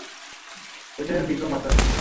Lieutenant Vikram বাতরার সাথে।